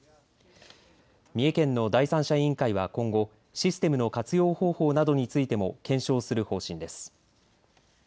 三重県の第三者委員会は今後システムの活用方法などについても検証する方針です。